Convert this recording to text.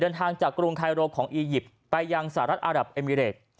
ทางจากกรุงไคโรของอียิปต์ไปยังสหรัฐอารับเอมิเรต